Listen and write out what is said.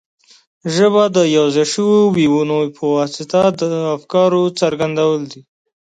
ژبه د یو ځای شویو وییونو په واسطه د افکارو څرګندول دي.